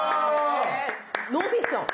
えノンフィクション？